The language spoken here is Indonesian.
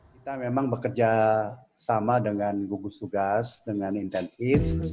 kita memang bekerja sama dengan gugus tugas dengan intensif